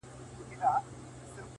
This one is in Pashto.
خدايه ما وبخښې په دې کار خجالت کومه;